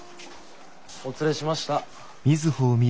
お連れしました。